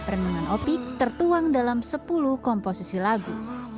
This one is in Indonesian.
renungan opik tertuang dalam sepuluh komposisi lagu